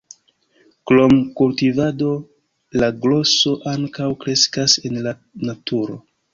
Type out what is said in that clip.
Krom kultivado la groso ankaŭ kreskas en la naturo.